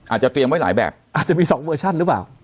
อาจจะเตรียมไว้หลายแบบอาจจะมี๒เวอร์ชั่นหรือเปล่า